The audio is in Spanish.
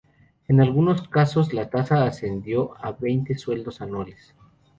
En algunos casos, la tasa ascendió a veinte sueldos anuales.